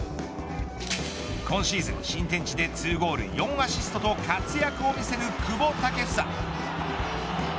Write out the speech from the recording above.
今シーズン新天地で２ゴール４アシストと活躍を見せる久保建英